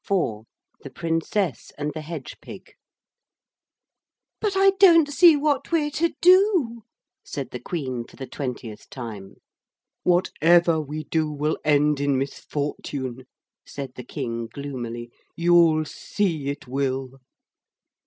IV THE PRINCESS AND THE HEDGE PIG 'But I don't see what we're to do' said the Queen for the twentieth time. 'Whatever we do will end in misfortune,' said the King gloomily; 'you'll see it will.'